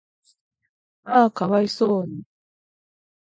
嗚呼可哀想に